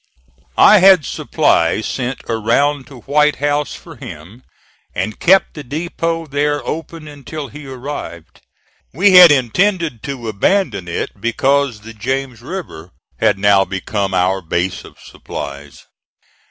I had supplies sent around to White House for him, and kept the depot there open until he arrived. We had intended to abandon it because the James River had now become our base of supplies.